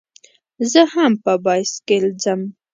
زه هم په بایسکل ځم.